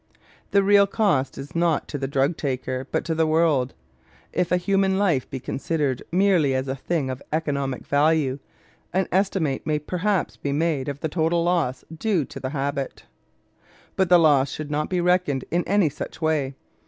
The real cost is not to the drug taker, but to the world. If a human life be considered merely as a thing of economic value, an estimate may perhaps be made of the total loss due to the habit. But the loss should not be reckoned in any such way.